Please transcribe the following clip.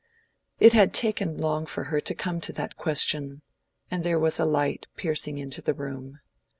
It had taken long for her to come to that question, and there was light piercing into the room.